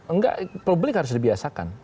enggak publik harus dibiasakan